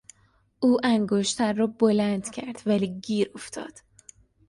او انگشتر را بلند کرد ولی گیر افتاد.